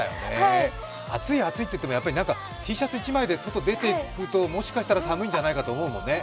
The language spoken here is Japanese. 暑い暑いって言ってもなんか、Ｔシャツ１枚で外出て行くともしかしたら寒いんじゃないかと思うもんね。